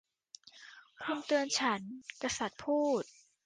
'คุณเตือนฉัน !' กษัตริย์พูด